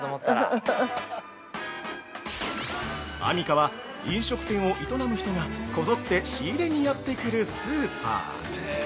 ◆アミカは飲食店を営む人がこぞって仕入れにやってくるスーパー。